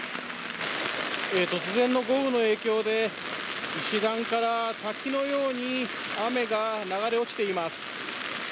突然の豪雨の影響で、石段から滝のように雨が流れ落ちています。